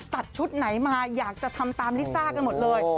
ตัดชุดไหนมาอยากจะทำตามลิซ่ากันหมดเลย